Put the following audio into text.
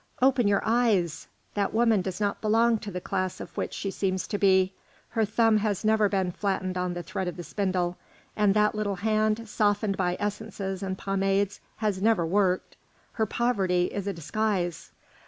Open your eyes! That woman does not belong to the class of which she seems to be; her thumb has never been flattened on the thread of the spindle, and that little hand, softened by essences and pomades, has never worked. Her poverty is a disguise."